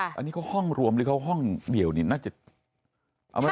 อันนี้เขาห้องรวมหรือเขาห้องเดียวนี่น่าจะ